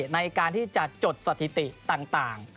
ในการที่จะจดสถิติต่าง